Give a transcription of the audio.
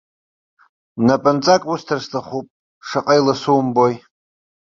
Напынҵак усҭар сҭахуп, шаҟа иласу умбои!